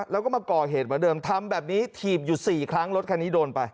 แล้วก็มาก่อเหตุเหมือนเดิมทำแบบนี้ถีบอยู่๔ครั้งรถคันนี้โดนไป